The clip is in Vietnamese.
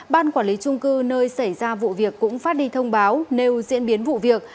ban quản lý trung cư nơi xảy ra vụ việc cũng phát đi thông báo nếu diễn biến vụ việc